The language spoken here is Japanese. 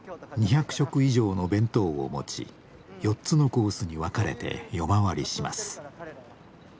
２００食以上の弁当を持ち４つのコースに分かれて夜回りします。